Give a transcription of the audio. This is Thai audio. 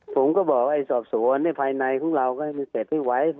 ผมก็บอกว่าสอบสวนภายในของเราก็ให้มันเสร็จไม่ไหว